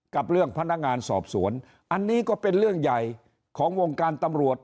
กับเรื่องพนักงานสอบสวนอันนี้ก็เป็นเรื่องใหญ่ของวงการตำรวจ